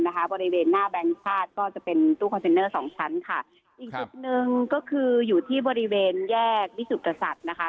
ก็จะเป็นตู้คอนเซนเนอร์สองชั้นค่ะอีกสิทธิ์หนึ่งก็คืออยู่ที่บริเวณแยกวิสุทธศัพท์นะคะ